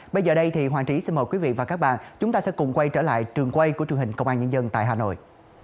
bây giờ đây thì hoàng trí xin mời quý vị và các bạn chúng ta sẽ cùng quay trở lại trường quay của truyền hình công an nhân dân tại hà nội